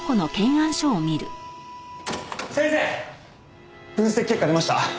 先生！分析結果出ました。